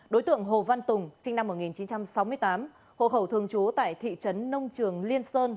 đối tượng hồ văn tùng sinh năm một nghìn chín trăm sáu mươi tám hộ khẩu thường trú tại thị trấn nông trường liên sơn